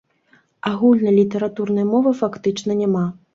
Агульнай літаратурнай мовы фактычна няма.